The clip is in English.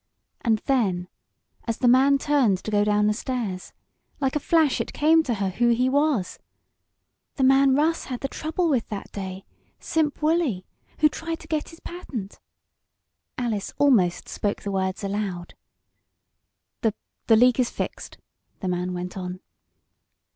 And then, as the man turned to go down the stairs, like a flash it came to her who he was. "The man Russ had the trouble with that day Simp Wolley who tried to get his patent!" Alice almost spoke the words aloud. "The the leak is fixed," the man went on.